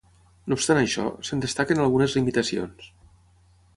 No obstant això, se'n destaquen algunes limitacions.